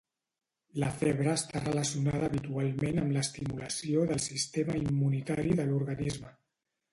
La febre està relacionada habitualment amb l'estimulació del sistema immunitari de l'organisme.